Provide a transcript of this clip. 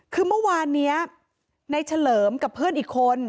คือเมื่อวานนี้ในเฉลิมกับเพื่อนอีกคน